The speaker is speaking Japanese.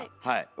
はい。